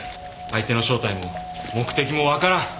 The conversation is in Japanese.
相手の正体も目的も分からん。